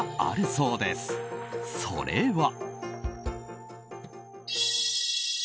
それは。